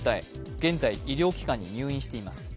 現在、医療機関に入院しています。